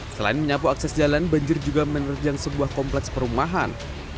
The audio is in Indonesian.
selain menyapu akses jalan banjir juga menerjang sebuah kompleks perumahan